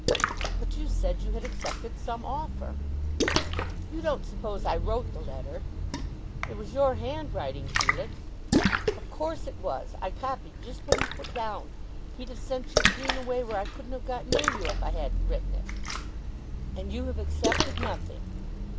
"But you said you had accepted some offer." "You don't suppose I wrote the letter?" "It was your handwriting, Felix." "Of course it was. I copied just what he put down. He'd have sent you clean away where I couldn't have got near you if I hadn't written it." "And you have accepted nothing?"